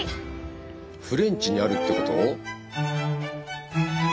フレンチにあるってこと？